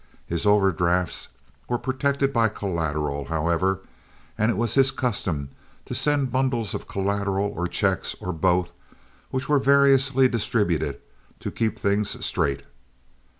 His overdrafts were protected by collateral, however, and it was his custom to send bundles of collateral or checks, or both, which were variously distributed to keep things straight.